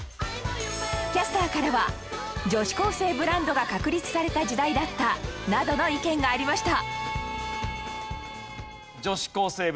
キャスターからは「女子高生ブランドが確立された時代だった」などの意見がありました